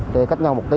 để cách nhau một tí